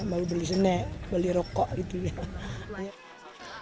beli senek beli rokok gitu ya